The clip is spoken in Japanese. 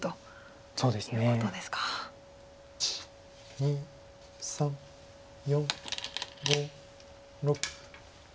２３４５６。